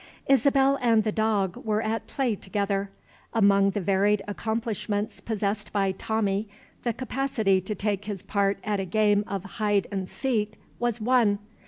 Isabel and the dog were at play together. Among the varied accomplishments possessed by Tommie, the capacity to take his part at a game of hide and seek was one.